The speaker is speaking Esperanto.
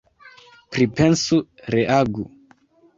Pripensu, reagu.